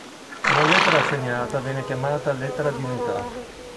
La lettera assegnata viene chiamata "lettera di unità".